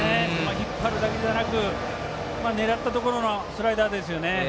引っ張るだけじゃなく狙ったところのスライダーですね。